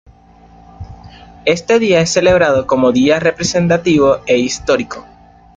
Este día es celebrado como día representativo e histórico.